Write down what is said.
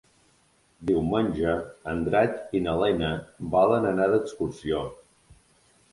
Diumenge en Drac i na Lena volen anar d'excursió.